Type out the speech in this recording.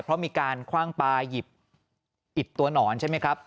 เพราะมีการคว่างปลาหยิบอิดตัวหนอนใช่ไหมครับ